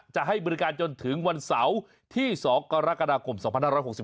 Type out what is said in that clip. จะให้บริการจนถึงวันเสาร์ที่๒กรกฎาคม๒๕๖๒